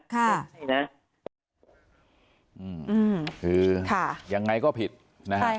คืออย่างไรก็ผิดนะครับ